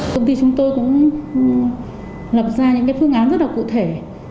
chúng tôi cũng lập ra những phương án rất là cụ thể